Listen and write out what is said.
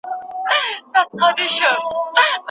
اخلاق روزل د ماشومانو د پلار یوه مسؤلیت دی.